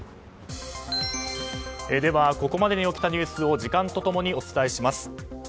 ここまでに起きたニュースを時間と共にお伝えします。